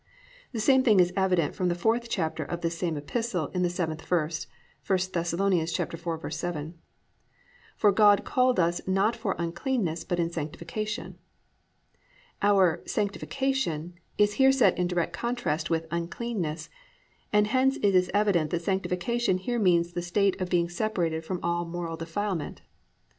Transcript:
The same thing is evident from the 4th chapter of this same epistle in the 7th verse (I Thess. 4:7), +"For God called us not for uncleanness, but in sanctification."+ Our "Sanctification" is here set in direct contrast with "uncleanness," and hence it is evident that sanctification here means the state of being separated from all moral defilement.